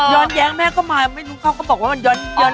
ย้อนแย้งแม่เข้ามาไม่รู้เขาก็บอกว่ามันย้อนแย้ง